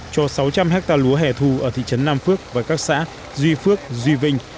cho sáu trăm linh hectare lúa hẻ thù ở thị trấn nam phước và các xã duy phước duy vinh